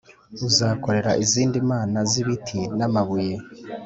uzakorera izindi mana z’ibiti n’amabuye.